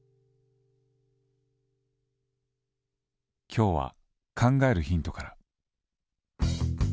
今日は「考えるヒント」から。